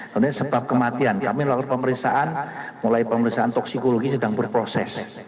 kemudian sebab kematian kami melakukan pemeriksaan mulai pemeriksaan toksikologi sedang berproses